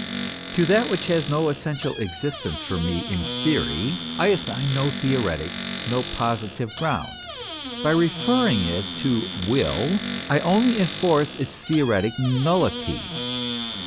To that which has no essential existence for me in theory, I assign no theoretic, no positive ground. By referring it to Will I only enforce its theoretic nullity.